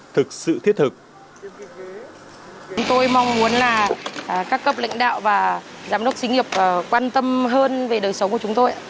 thực sự thiết thực